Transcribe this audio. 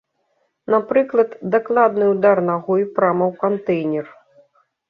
Напрыклад, дакладны ўдар нагой прама ў кантэйнер.